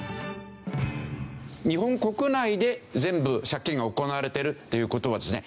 日本国内で全部借金が行われてるっていう事はですね